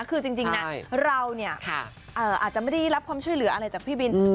คือจริงนะเราเนี่ยอาจจะไม่ได้รับความช่วยเหลืออะไรจากพี่บิน